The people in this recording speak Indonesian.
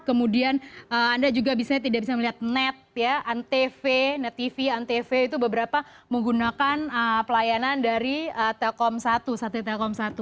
kemudian anda juga bisa tidak bisa melihat net ya antv antv itu beberapa menggunakan pelayanan dari telkom satu sate telkom satu